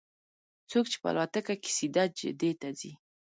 څوک چې په الوتکه کې سیده جدې ته ځي.